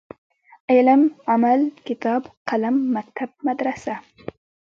علم ،عمل ،کتاب ،قلم ،مکتب ،مدرسه